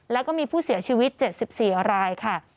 แล้วก็มีผู้เสียชีวิต๗๔รายค่ะ